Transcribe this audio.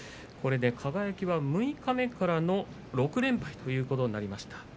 これで輝は六日目からの６連敗ということになりました。